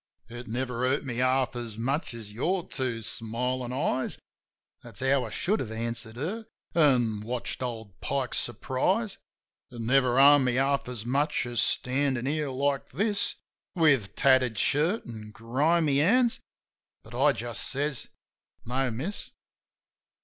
"It never hurt me half as much as your two smilin' eyes." That's how I could have answered her — an' watched old Pike's surprise — "It never harmed me half as much as standin' here like this With tattered shirt an' grimy hands" ... But I just says, "No, Miss."